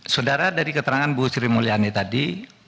saudara dari keterangan bu sri mulyani tadi